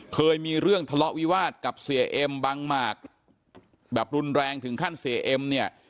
เคยมีเรื่องทะเลาะวิวาสกับเสียเอ็มบังหมากแบบรุนแรงถึงขั้นเสียเอ็มเนี่ย